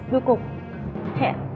đối cục hẹn